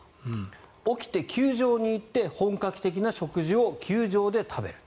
起きて球場に行って本格的な食事を球場で食べる。